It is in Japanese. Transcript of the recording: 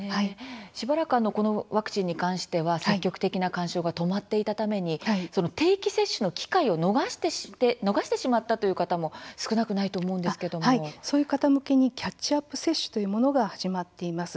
しばらくこのワクチンに関しては積極的な勧奨が止まっていたために定期接種の機会を逃してしまったという方もそういう方向けに「キャッチアップ接種」というものが始まっています。